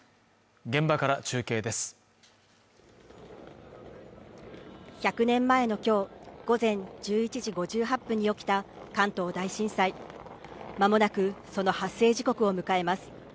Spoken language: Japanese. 現場から中継です１００年前の今日午前１１時５８分に起きた関東大震災まもなくその発生時刻を迎えます